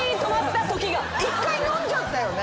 一回のんじゃったよね。